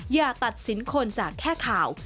อย่าตัดสินคนจากแค่ข่าว